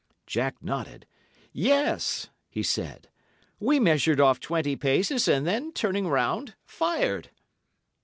"Jack nodded. 'Yes!' he said. 'We measured off twenty paces, and then, turning round, fired.